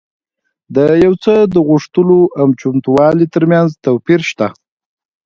د يو څه د غوښتلو او چمتووالي ترمنځ توپير شته.